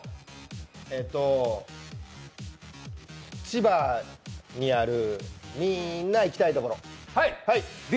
千葉にあるみーんな行きたいところ。